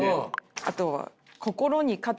あとはお！